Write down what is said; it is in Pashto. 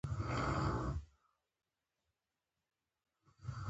بشر تاریخ وخت کې وکړ.